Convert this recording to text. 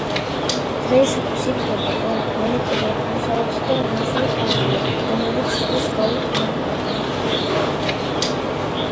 დღეისათვის ითვლება, რომ ვენეტები აღმოსავლეთიდან მოსული ხალხია, რომლებიც ზღვის გავლით მოვიდნენ.